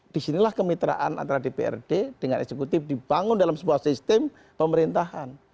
disinilah kemitraan antara dprd dengan eksekutif dibangun dalam sebuah sistem pemerintahan